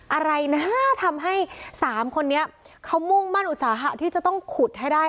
อะไรนะทำให้สามคนนี้เขามุ่งมั่นอุตสาหะที่จะต้องขุดให้ได้